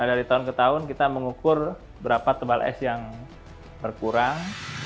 dari tahun ke tahun kita mengukur berapa tebal es yang berkurang